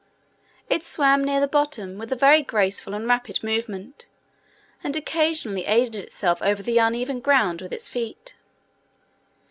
It swam near the bottom, with a very graceful and rapid movement, and occasionally aided itself over the uneven ground with its feet.